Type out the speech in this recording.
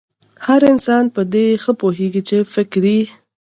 هر انسان پر دې ښه پوهېږي چې فکري